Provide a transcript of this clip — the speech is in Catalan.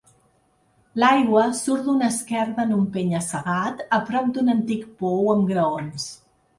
L'aigua surt d'una esquerda en un penya-segat, a prop d'un antic pou amb graons.